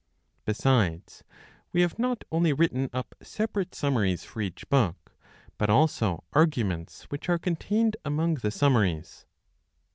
Besides, we have not only written up separate summaries for each book, but also Arguments, which are contained among the summaries.